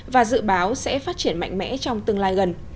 và dự báo sẽ phát triển mạnh mẽ trong tương lai gần